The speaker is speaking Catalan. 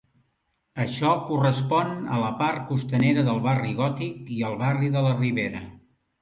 Això correspon a la part costanera del Barri Gòtic i al barri de la Ribera.